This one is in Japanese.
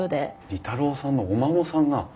利太郎さんのお孫さんが。